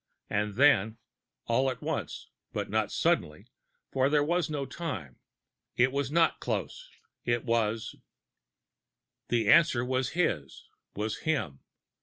And then, all at once, but not suddenly, for there was no time, it was not close it was. The answer was his, was him.